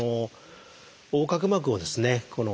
横隔膜をですね